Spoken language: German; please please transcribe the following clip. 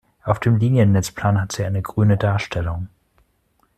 Auf dem Liniennetzplan hat sie eine grüne Darstellung.